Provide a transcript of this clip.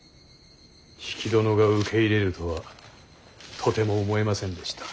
比企殿が受け入れるとはとても思えませんでした。